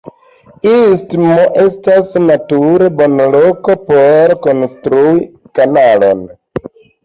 Istmo estas nature bona loko por konstrui kanalon.